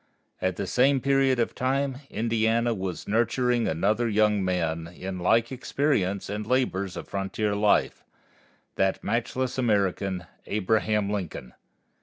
At the same period of time Indiana was nurturing another young man in like experience and labors of frontier life that matchless American, Abraham Lincoln.